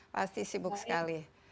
pasti sibuk sekali